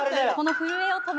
震えを止める。